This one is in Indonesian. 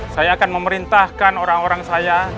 saya akan memerintahkan orang orang saya